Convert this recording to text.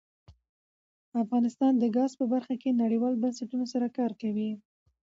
افغانستان د ګاز په برخه کې نړیوالو بنسټونو سره کار کوي.